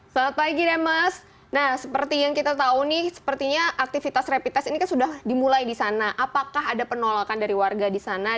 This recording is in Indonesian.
selamat pagi demas nah seperti yang kita tahu nih sepertinya aktivitas rapid test ini kan sudah dimulai di sana apakah ada penolakan dari warga di sana